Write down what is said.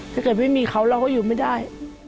ถ้าเกิดไม่มีเขาเราก็อยู่ไม่ได้